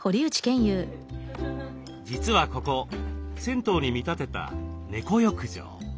実はここ銭湯に見立てた猫浴場。